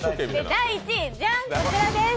第１位、じゃん、こちらです。